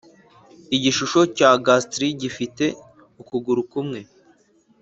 igishusho cya ghastly gifite ukuguru kumwe